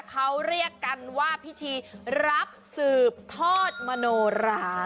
เขาเรียกกันว่าพิธีรับสืบทอดมโนรา